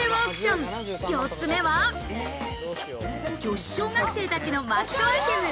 平成オークション、４つ目は、女子小学生たちのマストアイテム